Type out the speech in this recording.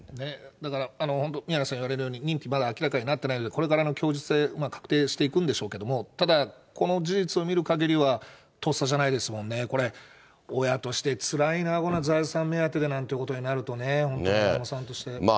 だから本当、宮根さん言われるように、認否まだ明らかになってないので、これからの供述で確定していくんでしょうけれども、ただこの事実を見るかぎりは、とっさじゃないですもんね、これ、親としてつらいな、こんな財産目当てでなんてことになると、本当に親御さんとして。